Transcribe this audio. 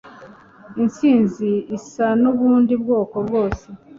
intsinzi isa nubundi bwoko bwose